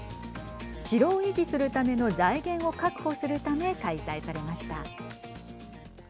城を維持するための財源を確保するため開催されました。